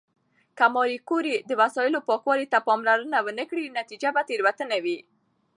که ماري کوري د وسایلو پاکوالي ته پاملرنه ونه کړي، نتیجه به تېروتنه وي.